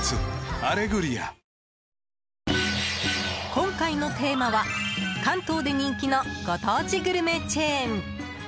今回のテーマは、関東で人気のご当地グルメチェーン。